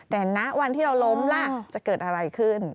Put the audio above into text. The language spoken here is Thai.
แต่ณวันที่เราล้มล่ะจะเกิดอะไรขึ้น